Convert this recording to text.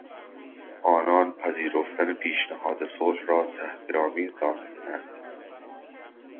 آنان پذیرفتن پیشنهاد صلح را تحقیرآمیز دانستند.